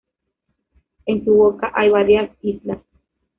En su boca hay varias islas.